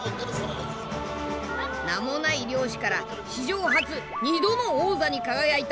名もない漁師から史上初２度の王座に輝いた大横綱だ。